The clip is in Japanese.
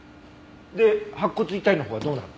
で白骨遺体のほうはどうなの？